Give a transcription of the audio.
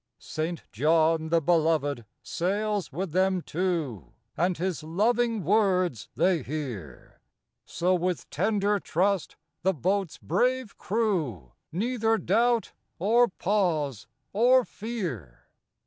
St. John the Beloved sails with them too, And his loving words they hear; So with tender trust the boat's brave crew Neither doubt, or pause, or fear.